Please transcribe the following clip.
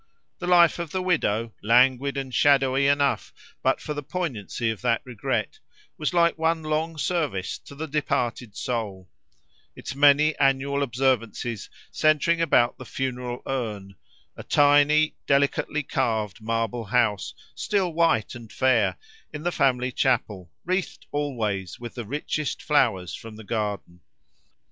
The life of the widow, languid and shadowy enough but for the poignancy of that regret, was like one long service to the departed soul; its many annual observances centering about the funeral urn—a tiny, delicately carved marble house, still white and fair, in the family chapel, wreathed always with the richest flowers from the garden.